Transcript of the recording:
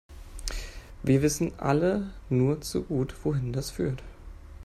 Wir wissen alle nur zu gut, wohin das führt.